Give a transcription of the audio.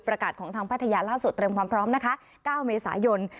ประกาศของทางพัทยาล่าสุดเตรียมความพร้อมนะคะ๙เมษายน